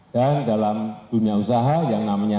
dan dalam dunia usaha yang namanya